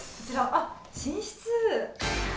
あっ寝室。